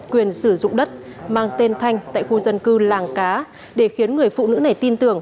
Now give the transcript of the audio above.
quyền sử dụng đất mang tên thanh tại khu dân cư làng cá để khiến người phụ nữ này tin tưởng